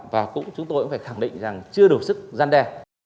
và chúng tôi cũng phải khẳng định rằng chưa đủ sức gian đe